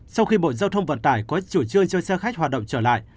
sau khi bộ giao thông vận tải có chủ trương cho xe khách hoạt động trở lại